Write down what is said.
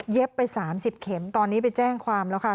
ไป๓๐เข็มตอนนี้ไปแจ้งความแล้วค่ะ